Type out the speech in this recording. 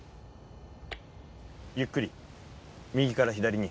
ゆっくり右から左に。